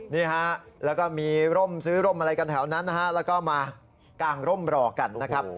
นี่ฮะแล้วก็มีร่มซื้อร่มอะไรกันแถวนั้นนะฮะแล้วก็มากางร่มรอกันนะครับ